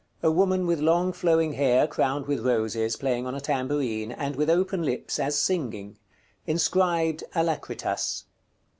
A woman with long flowing hair, crowned with roses, playing on a tambourine, and with open lips, as singing. Inscribed " ALACRITAS."